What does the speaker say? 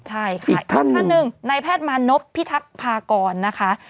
ใช่ค่ะท่านหนึ่งในแพทย์มานพพิทักษภากรนะคะ